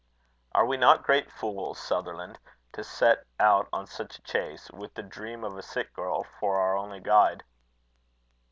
"Are we not great fools, Sutherland, to set out on such a chase, with the dream of a sick girl for our only guide?"